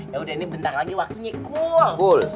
yaudah ini bentar lagi waktu nyikul